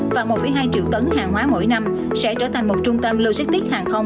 và một hai triệu tấn hàng hóa mỗi năm sẽ trở thành một trung tâm logistics hàng không